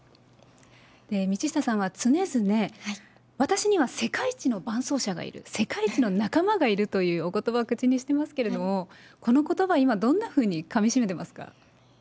道下さんは常々、私には世界一の伴走者がいる、世界一の仲間がいるというおことばを口にしてますけれども、このことば、今、どんなふうにかみしめてますか。